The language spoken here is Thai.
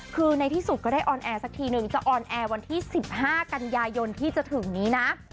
คือในที่สุดก็ได้ออนแอร์สักทีนึงจะออนแอร์วันที่๑๕กันยายนที่จะถึงนี้นะ